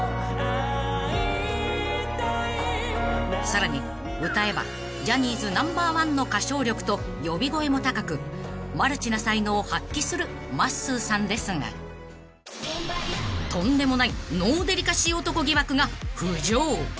［さらに歌えばジャニーズナンバーワンの歌唱力と呼び声も高くマルチな才能を発揮するまっすーさんですがとんでもないノーデリカシー男疑惑が浮上］